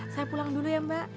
saya pulang dulu ya mbak